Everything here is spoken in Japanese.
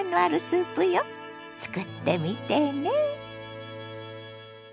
作ってみてね。